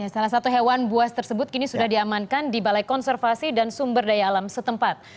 salah satu hewan buas tersebut kini sudah diamankan di balai konservasi dan sumber daya alam setempat